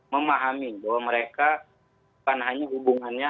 memahami bahwa mereka bukan hanya hubungannya